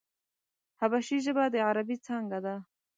حبشي ژبه د عربي څانگه ده.